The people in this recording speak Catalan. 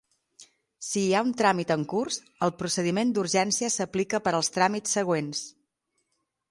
Si hi ha un tràmit en curs, el procediment d'urgència s'aplica per als tràmits següents.